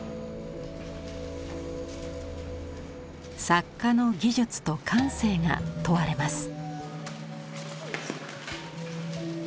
作家の技術と感性が問われます。